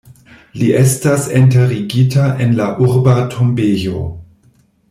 Li estas enterigita en la urba tombejo.